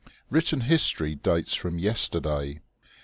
Written history dates from yesterday.